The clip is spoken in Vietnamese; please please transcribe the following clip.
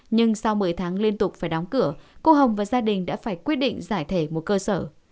nhưng sau một mươi tháng liên tục phải đóng cửa cô hồng và gia đình đã phải quyết định giải thể một cơ sở